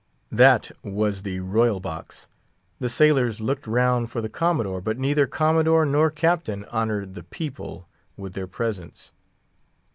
That was the royal box. The sailors looked round for the Commodore but neither Commodore nor Captain honored the people with their presence.